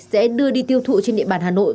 sẽ đưa đi tiêu thụ trên địa bàn hà nội